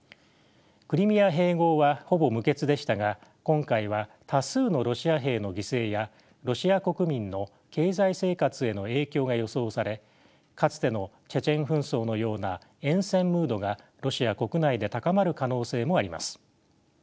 クリミア併合はほぼ無血でしたが今回は多数のロシア兵の犠牲やロシア国民の経済生活への影響が予想されかつてのチェチェン紛争のような厭戦ムードがロシア国内で高まる可能性もあります。